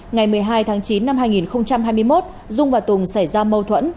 ngày một mươi hai tháng chín năm hai nghìn hai mươi một dung và tùng xảy ra mâu thuẫn